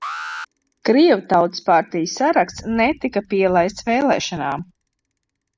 Krievu tautas partijas saraksts netika pielaists vēlēšanām.